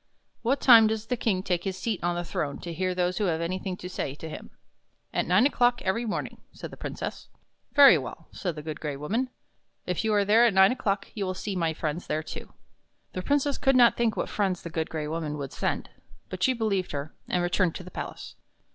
What time does the King take his seat on the throne to hear those who have anything to say to him?" " At nine o'clock every morning," said the Princess. " Very well," said the Good Gray Woman. " If you are there at nine o'clock, you will see my friends there, too." The Princess could not think what friends the Good Gray Woman would send; but she believed her, and returned to the palace.